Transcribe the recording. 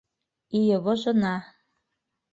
И его жена...